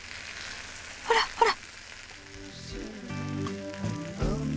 ほらほら。